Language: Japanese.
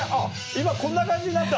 今こんな感じになった？